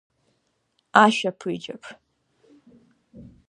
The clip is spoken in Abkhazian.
Ашәаԥыџьаԥ…